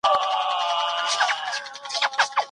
املا د زده کوونکو د استعداد په غوړولو کي مرسته کوي.